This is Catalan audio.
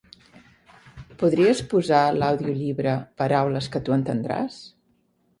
Podries posar l'audiollibre "Paraules que tu entendràs"?